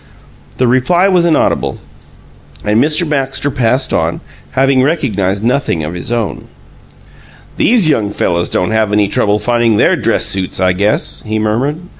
The reply was inaudible, and Mr. Baxter passed on, having recognized nothing of his own. "These YOUNG fellows don't have any trouble finding their dress suits, I guess," he murmured.